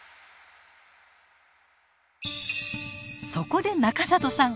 そこで中里さん